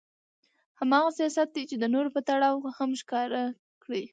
هماغه حساسيت دې د نورو په تړاو هم ښکاره کړي.